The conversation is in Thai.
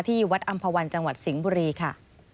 ที่วัดอำภาวันจังหวัดสิงห์บุรีค่ะ